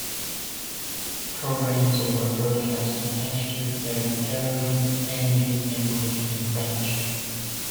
Programs were broadcast in Pashto, Dari-Persian, Hindi, English, and French.